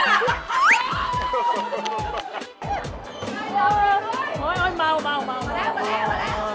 เฮ้ยเฮ้ยมาแล้วมาแล้ว